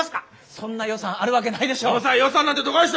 そんな予算あるわけないでしょ。